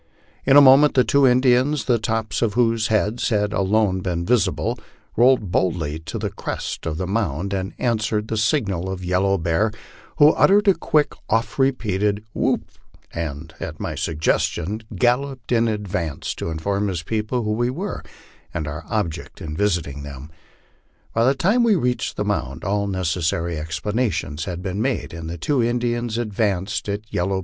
In a moment the two Indians, the tops of whose heads had alone been visible, rode boldly to the crest of the mound and an swered the signal of Yellow Bear, who uttered a quick, oft repeated whoop, and, at my suggestion, galloped in advance, to inform his people who we were, and our object in visiting them. By the time we reached the mound all nec essary explanations had been made, and the two Indians advanced at Yellow 220 MY LIFE ON THE PLAINS.